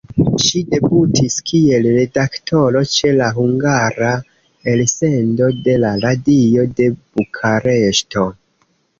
Ŝi debutis kiel redaktoro ĉe la hungara elsendo de la Radio de Bukareŝto.